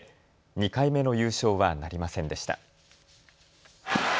２回目の優勝はなりませんでした。